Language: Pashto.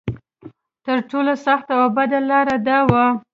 تر ټولو سخته او بده لا دا وه.